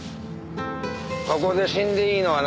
ここで死んでいいのはな